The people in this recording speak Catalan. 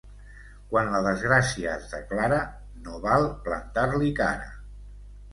Quan la desgràcia es declara, no val plantar-li cara.